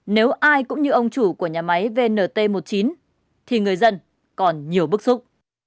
nếu ai cũng như ông chủ của nhà máy vnt một mươi chín thì người dân còn nhiều bức xúc